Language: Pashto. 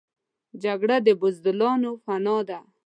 جګړه د بزدلانو پناه ده